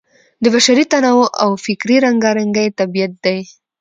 د بشري تنوع او فکري رنګارنګۍ طبیعت دی.